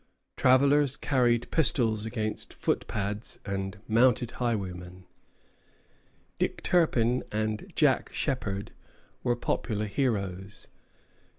Travellers carried pistols against footpads and mounted highwaymen. Dick Turpin and Jack Sheppard were popular heroes.